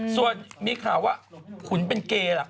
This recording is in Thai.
ส่วนมีข่าวว่าขุนเป็นเกย์ล่ะ